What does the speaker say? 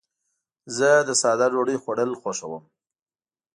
زه د ساده ډوډۍ خوړل خوښوم.